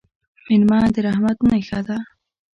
مېلمه د رحمت نښه ده.